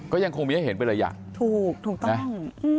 ก็ยังคงมีให้เห็นไปเลยอ่ะถูกถูกต้อง